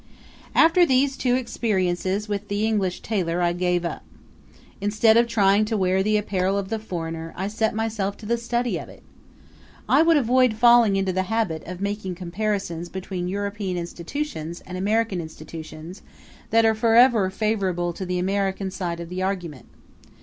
After these two experiences with the English tailor I gave up. Instead of trying to wear the apparel of the foreigner I set myself to the study of it. I would avoid falling into the habit of making comparisons between European institutions and American institutions that are forever favorable to the American side of the argument.